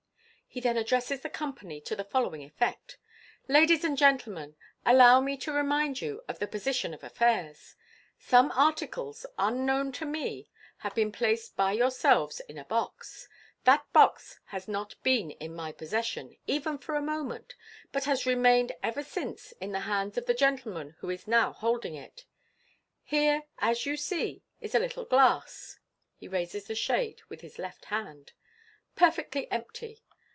He then addresses the company to the following effect :—" Ladies and gentle men, allow me to remind you of the position of affairs. Some articles, unknown to me, have been placed by yourselves in a box. That box has not been in my possession, even for a moment, but has remained ever since in the hands of the gentleman who is now hold ing it. Here, as you see, is a little glass " (he raises the shade with the left hand), "perfectly empty.